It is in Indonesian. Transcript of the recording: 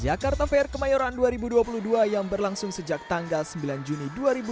jakarta fair kemayoran dua ribu dua puluh dua yang berlangsung sejak tanggal sembilan juni dua ribu dua puluh